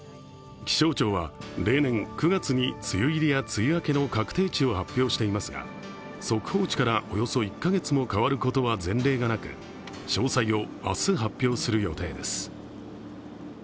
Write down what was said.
気象庁は例年９月に梅雨入りや梅雨明けの各低地を発表していますが、速報値からおよそ１カ月も変わることは前例がなく詳細を明日発表する予定です。